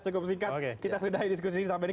cukup singkat kita sudah diskusi sampai ini